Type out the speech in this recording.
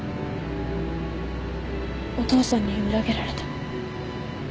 「お父さんに裏切られた」